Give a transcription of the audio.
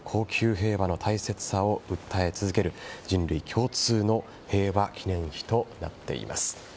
平和の大切さを訴え続ける人類共通の平和記念碑となっています。